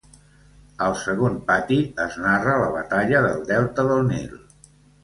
Al segon pati, es narra la Batalla del delta del Nil.